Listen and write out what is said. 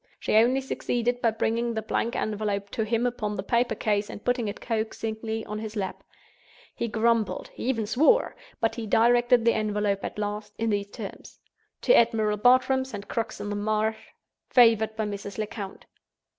She only succeeded by bringing the blank envelope to him upon the paper case, and putting it coaxingly on his lap. He grumbled, he even swore, but he directed the envelope at last, in these terms: "To Admiral Bartram, St. Crux in the Marsh. Favored by Mrs. Lecount."